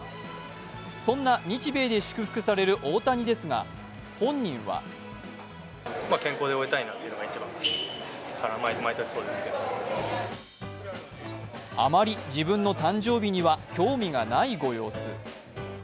そんな日米で祝福される大谷ですが本人はあまり自分の誕生日には興味がないご様子。